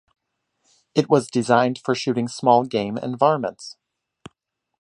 It was designed for shooting small game and varmints.